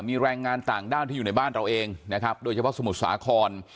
มีแรงงานต่างด้าวที่อยู่ในบ้านเราเองนะครับโดยเฉพาะสมุทรสาคร